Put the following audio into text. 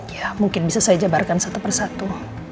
ya mungkin bisa saya jabarkan satu persatu